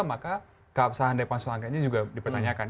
maka keabsahan dari pansus angketnya juga dipertanyakan